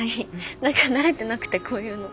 何か慣れてなくてこういうの。